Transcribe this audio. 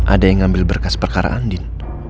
ada yang ngambil berkas perkara andin